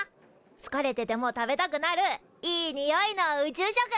つかれてても食べたくなるいいにおいの宇宙食。